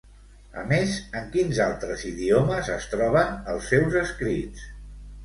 A més, en quins altres idiomes es troben els seus escrits?